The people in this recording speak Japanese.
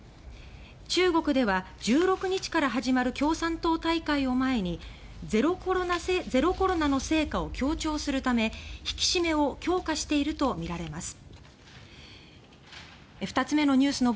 中国では１６日から始まる共産党大会を前に「ゼロコロナ」の成果を強調するため引き締めを強化しているとみられます。